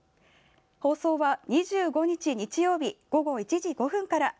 放送は２５日、日曜日午後１時５分から。